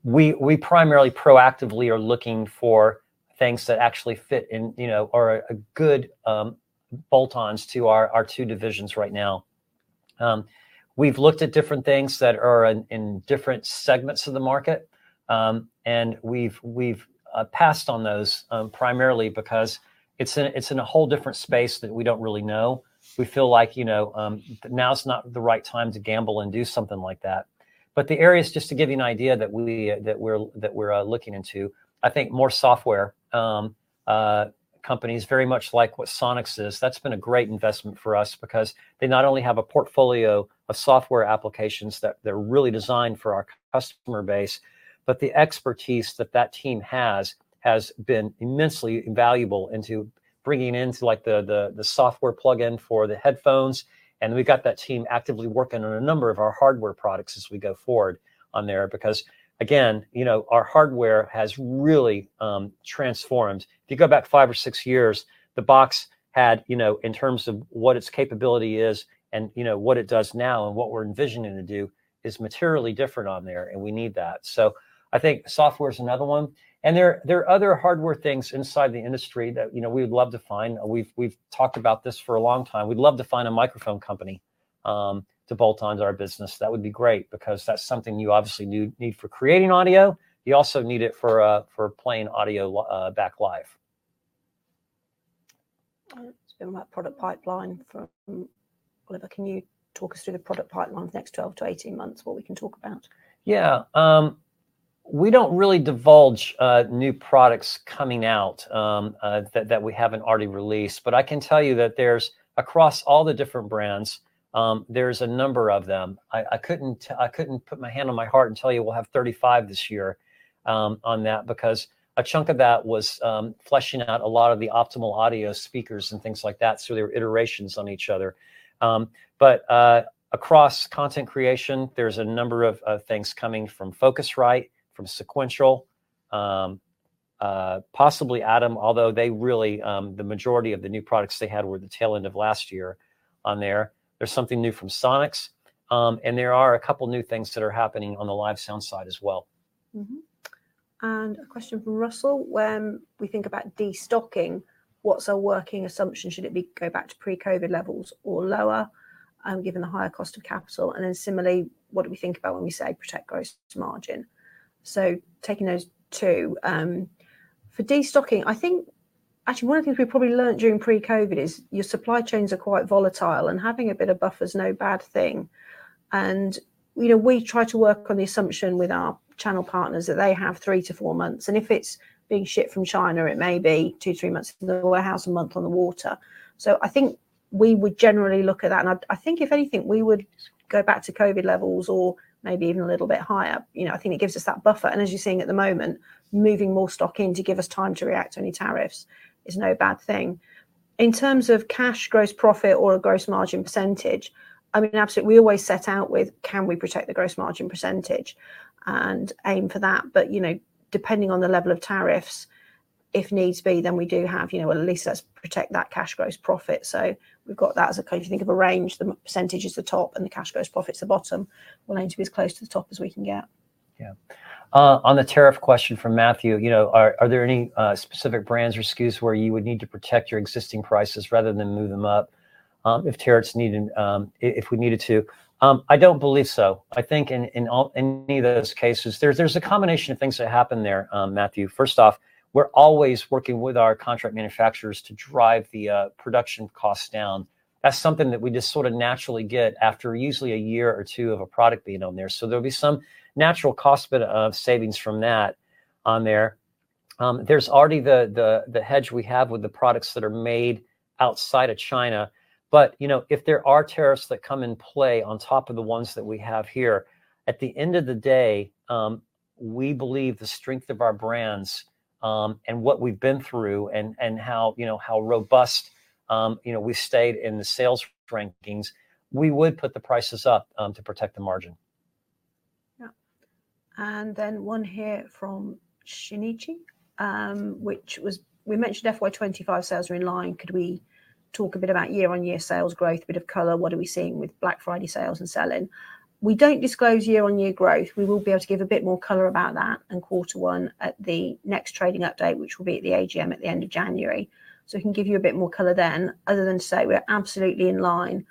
we primarily proactively are looking for things that actually fit or are good bolt-ons to our two divisions right now. We've looked at different things that are in different segments of the market, and we've passed on those primarily because it's in a whole different space that we don't really know. We feel like now's not the right time to gamble and do something like that. But the areas, just to give you an idea that we're looking into, I think more software companies, very much like what Sonnox is, that's been a great investment for us because they not only have a portfolio of software applications that are really designed for our customer base, but the expertise that team has been immensely valuable into bringing in the software plug-in for the headphones. And we've got that team actively working on a number of our hardware products as we go forward on there because, again, our hardware has really transformed. If you go back five or six years, the box had, in terms of what its capability is and what it does now and what we're envisioning to do, is materially different on there, and we need that. So I think software is another one. There are other hardware things inside the industry that we would love to find. We've talked about this for a long time. We'd love to find a microphone company to bolt onto our business. That would be great because that's something you obviously need for creating audio. You also need it for playing audio back live. It's been about product pipeline. Oliver, can you talk us through the product pipeline for the next 12-18 months, what we can talk about? Yeah. We don't really divulge new products coming out that we haven't already released. But I can tell you that across all the different brands, there's a number of them. I couldn't put my hand on my heart and tell you we'll have 35 this year on that because a chunk of that was fleshing out a lot of the Optimal Audio speakers and things like that. So there were iterations on each other. But across Content Creation, there's a number of things coming from Focusrite, from Sequential, possibly ADAM, although the majority of the new products they had were the tail end of last year on there. There's something new from Sonnox. And there are a couple of new things that are happening on the live sound side as well. A question from Russell. When we think about destocking, what's our working assumption? Should it go back to pre-COVID levels or lower given the higher cost of capital? And then similarly, what do we think about when we say protect gross margin? So taking those two. For destocking, I think actually one of the things we probably learned during pre-COVID is your supply chains are quite volatile, and having a bit of buffer is no bad thing. And we try to work on the assumption with our channel partners that they have three to four months. And if it's being shipped from China, it may be two, three months in the warehouse, a month on the water. So I think we would generally look at that. And I think if anything, we would go back to COVID levels or maybe even a little bit higher. I think it gives us that buffer. And as you're seeing at the moment, moving more stock in to give us time to react to any tariffs is no bad thing. In terms of cash gross profit or a gross margin percentage, I mean, we always set out with, can we protect the gross margin percentage and aim for that? But depending on the level of tariffs, if needs be, then we do have leeway that protects that cash gross profit. So we've got that as a kind of, if you think of a range, the percentage is the top and the cash gross profit's the bottom. We'll aim to be as close to the top as we can get. Yeah. On the tariff question from Matthew, are there any specific brands or SKUs where you would need to protect your existing prices rather than move them up if we needed to? I don't believe so. I think in any of those cases, there's a combination of things that happen there, Matthew. First off, we're always working with our contract manufacturers to drive the production costs down. That's something that we just sort of naturally get after usually a year or two of a product being on there. So there'll be some natural cost bit of savings from that on there. There's already the hedge we have with the products that are made outside of China. But if there are tariffs that come in play on top of the ones that we have here, at the end of the day, we believe the strength of our brands and what we've been through and how robust we've stayed in the sales rankings, we would put the prices up to protect the margin. Yeah. And then one here from Shinichi, which was, we mentioned FY 2025 sales are in line. Could we talk a bit about year-on-year sales growth, a bit of color? What are we seeing with Black Friday sales and selling? We don't disclose year-on-year growth. We will be able to give a bit more color about that in quarter one at the next trading update, which will be at the AGM at the end of January. So we can give you a bit more color then, other than to say we're absolutely in line.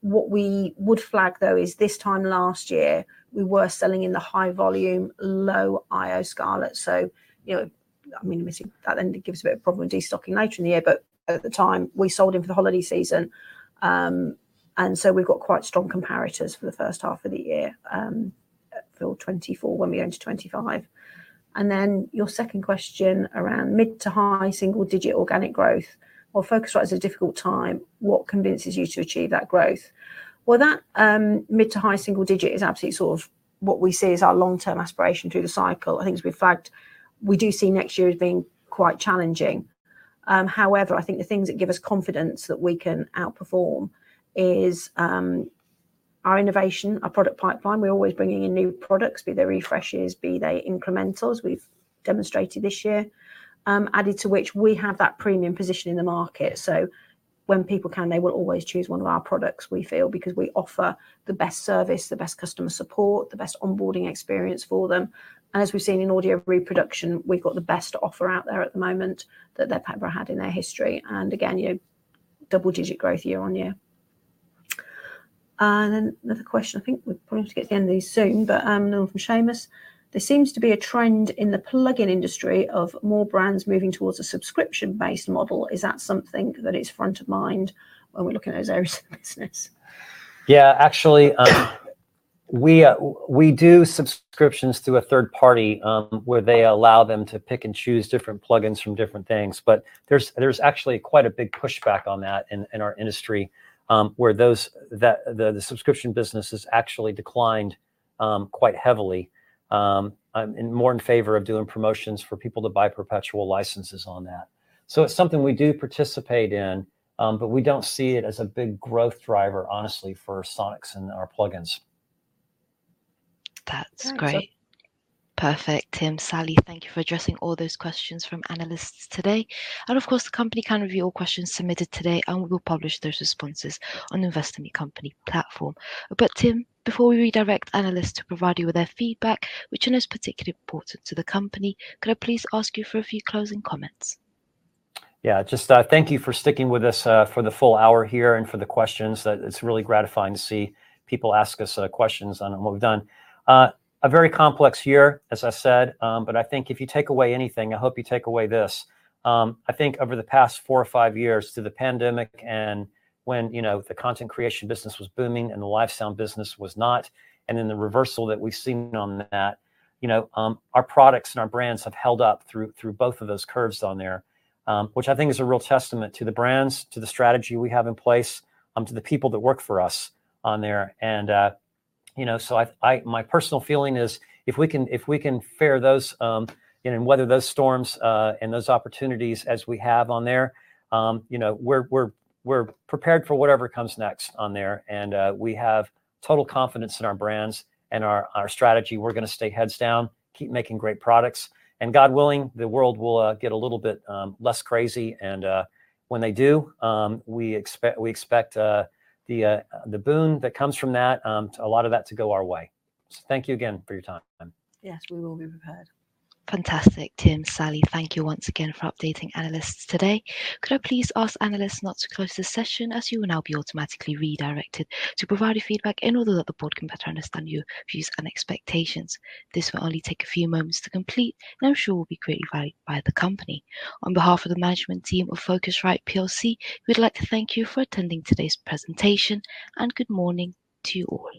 What we would flag, though, is this time last year, we were selling in the high volume, low I/O Scarlett. So I mean, that then gives a bit of a problem with destocking later in the year. But at the time, we sold in for the holiday season. We've got quite strong comparators for the first half of the year for 2024 when we go into 2025. Then your second question around mid- to high single-digit organic growth. Focusrite is a difficult time. What convinces you to achieve that growth? That mid- to high single-digit is absolutely sort of what we see as our long-term aspiration through the cycle. It's been flagged. We do see next year as being quite challenging. However, the things that give us confidence that we can outperform is our innovation, our product pipeline. We're always bringing in new products, be they refreshes, be they incrementals we've demonstrated this year, added to which we have that premium position in the market. So when people can, they will always choose one of our products, we feel, because we offer the best service, the best customer support, the best onboarding experience for them. And as we've seen in Audio Reproduction, we've got the best offer out there at the moment that they've ever had in their history. And again, double-digit growth year-on-year. And then another question. I think we're probably going to get to the end of these soon. But another one from Seamus. There seems to be a trend in the plug-in industry of more brands moving towards a subscription-based model. Is that something that is front of mind when we're looking at those areas of business? Yeah. Actually, we do subscriptions through a third party where they allow them to pick and choose different plug-ins from different things. But there's actually quite a big pushback on that in our industry where the subscription business has actually declined quite heavily and more in favor of doing promotions for people to buy perpetual licenses on that. So it's something we do participate in, but we don't see it as a big growth driver, honestly, for Sonnox and our plug-ins. That's great. Perfect. Tim, Sally, thank you for addressing all those questions from analysts today. Of course, the company can review all questions submitted today, and we will publish those responses on the Investor Meet Company platform. Tim, before we redirect analysts to provide you with their feedback, which one is particularly important to the company, could I please ask you for a few closing comments? Yeah. Just thank you for sticking with us for the full hour here and for the questions. It's really gratifying to see people ask us questions on what we've done. A very complex year, as I said. But I think if you take away anything, I hope you take away this. I think over the past four or five years to the pandemic and when the Content Creation business was booming and the live sound business was not, and then the reversal that we've seen on that, our products and our brands have held up through both of those curves on there, which I think is a real testament to the brands, to the strategy we have in place, to the people that work for us on there. My personal feeling is if we can fare those and weather those storms and those opportunities as we have on there, we're prepared for whatever comes next on there. We have total confidence in our brands and our strategy. We're going to stay heads down, keep making great products. God willing, the world will get a little bit less crazy. When they do, we expect the boon that comes from that, a lot of that to go our way. Thank you again for your time. Yes, we will be prepared. Fantastic. Tim, Sally, thank you once again for updating analysts today. Could I please ask analysts not to close the session as you will now be automatically redirected to provide your feedback in order that the board can better understand your views and expectations? This will only take a few moments to complete and I'm sure will be greatly valued by the company. On behalf of the management team of Focusrite PLC, we'd like to thank you for attending today's presentation, and good morning to you all.